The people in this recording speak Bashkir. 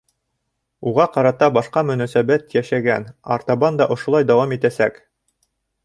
Уға ҡарата башҡа мөнәсәбәт йәшәгән, артабан да ошолай дауам итәсәк.